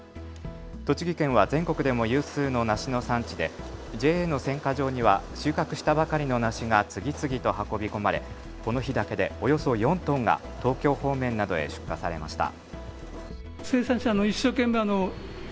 栃木県は全国でも有数の梨の産地でＪＡの選果場には収穫したばかりの梨が次々と運び込まれこの日だけでおよそ４トンが東京方面などへ出荷されました。